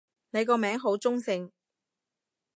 你個名好中性